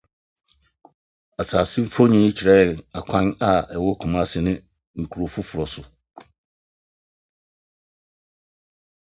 He was buried at Sandhurst.